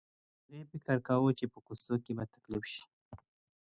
هغې فکر کاوه چې په کوڅو کې به تکليف شي.